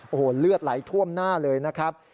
โอ้โหเลือดไหลท่วมหน้าเลยนะครับ